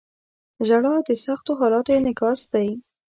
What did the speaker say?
• ژړا د سختو حالاتو انعکاس دی.